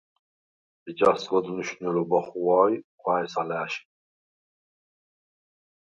ეჯას ძღჷდ მნიშუ̂ნელობა ხუღუ̂ა ი ხუ̂ა̈ჲს ალა̄̈შიხ.